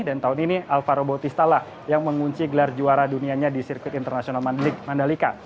dan tahun ini alvaro bautista lah yang mengunci gelar juara dunianya di sirkuit internasional mandalika